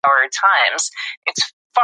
حماسي نظمونه د نظم يو ډول دﺉ.